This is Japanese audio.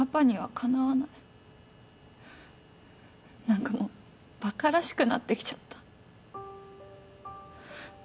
何かもうバカらしくなってきちゃった。